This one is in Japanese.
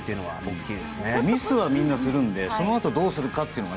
ミスは、みんなするのでそのあとどうするか。